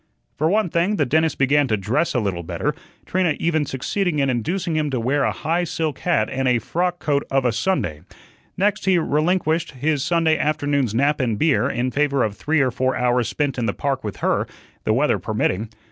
For one thing, the dentist began to dress a little better, Trina even succeeding in inducing him to wear a high silk hat and a frock coat of a Sunday. Next he relinquished his Sunday afternoon's nap and beer in favor of three or four hours spent in the park with her the weather permitting.